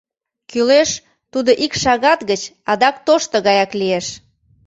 — Кӱлеш, тудо ик шагат гыч адак тошто гаяк лиеш?